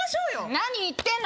何言ってんのよ